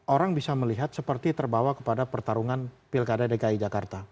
orang bisa melihat seperti terbawa kepada pertarungan pilkada dki jakarta